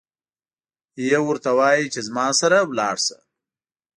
یو ورته وایي چې زما سره لاړشه.